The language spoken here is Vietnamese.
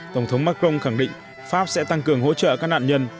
tổng thống macron khẳng định pháp sẽ tăng cường hỗ trợ các nạn nhân